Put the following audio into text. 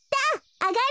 あがり！